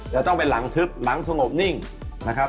จะต้องเป็นหลังทึบหลังสงบนิ่งนะครับ